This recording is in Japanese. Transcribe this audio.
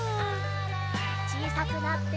ちいさくなって。